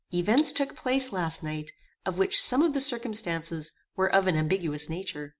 Events took place last night of which some of the circumstances were of an ambiguous nature.